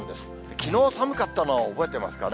きのう、寒かったのを覚えてますかね。